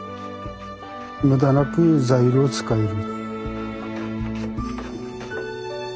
無駄なく材料を使える。